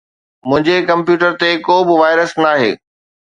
منهنجي ڪمپيوٽر تي ڪو به وائرس ناهي